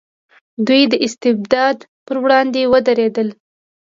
دوی د استبداد پر وړاندې ودرېدل.